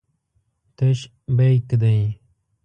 تش بیک دی.